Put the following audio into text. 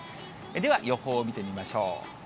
では予報を見てみましょう。